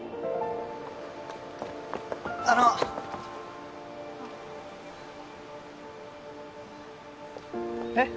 あの。えっ？